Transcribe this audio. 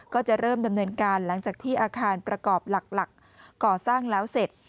ก็จะเริ่มดำเนินการหลังจากที่อาคารประกอบหลักก่อสร้างแล้วเสร็จ